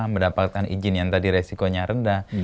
mendapatkan izin yang tadi resikonya rendah